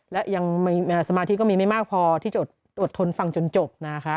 และยังสมาธิก็มีไม่มากพอที่จะอดทนฟังจนจบนะคะ